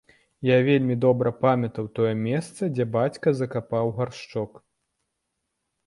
Я вельмі добра памятаў тое месца, дзе бацька закапаў гаршчок.